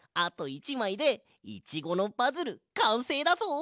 １まいでイチゴのパズルかんせいだぞ！